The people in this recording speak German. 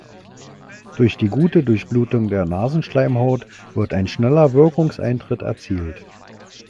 Durch die gute Durchblutung der Nasenschleimhaut wird ein schneller Wirkungseintritt erzielt.